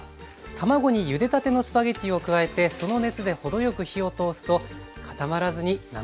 卵にゆでたてのスパゲッティを加えてその熱で程よく火を通すと固まらずに滑らかな仕上がりになります。